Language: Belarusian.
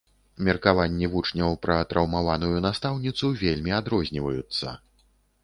Меркаванні вучняў пра траўмаваную настаўніцу вельмі адрозніваюцца.